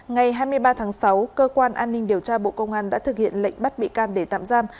ngày hai mươi ba tháng sáu cơ quan an ninh điều tra bộ công an đã thực hiện lệnh bắt bị can để tạm giam